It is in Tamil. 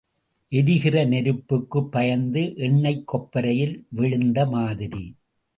எரிகிற நெருப்புக்குப் பயந்து எண்ணெய்க் கொப்பரையில் விழுந்த மாதிரி.